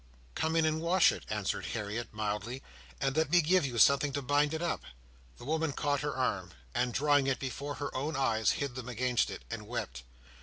"Come in and wash it," answered Harriet, mildly, "and let me give you something to bind it up." The woman caught her arm, and drawing it before her own eyes, hid them against it, and wept.